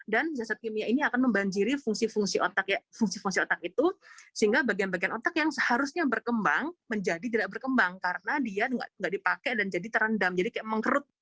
dan jasad jasad kimia ini akan membanjiri fungsi fungsi otak itu sehingga bagian bagian otak yang seharusnya berkembang menjadi tidak berkembang karena dia tidak dipakai dan jadi terendam jadi seperti mengkerut